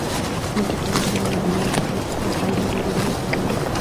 Actualmente cumple sus labores en el Manchester United de la Premier League de Inglaterra.